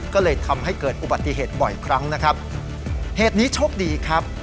ก็เลยทำให้เกิดอุบัติเหตุบ่อยครั้งนะครับเหตุนี้โชคดีครับ